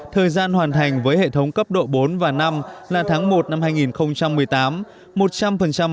thời gian hoàn thành với hệ thống cấp độ bốn và năm là tháng một năm hai nghìn một mươi tám